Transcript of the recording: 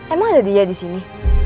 emang ada dia disini